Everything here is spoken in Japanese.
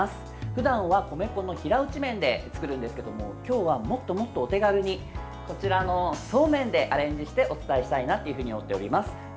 ふだんは米粉の平打ち麺で作るんですけど今日は、もっとお手軽にこちらのそうめんでアレンジしてお伝えしたいなというふうに思っております。